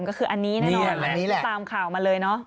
ก็คืออันนี้แน่นอนตามข่าวมาเลยเนอะ